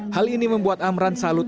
hal ini membuat amran salut